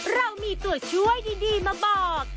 เรามีตัวช่วยดีมาบอก